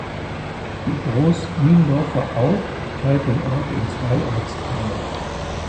Die Groß Niendorfer Au teilt den Ort in zwei Ortsteile.